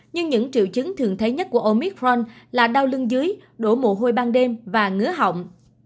nhưng những triệu chứng thường thấy nhất của omicron là đau lưng dưới đổ mồ hôi ban đêm và ngứa hỏng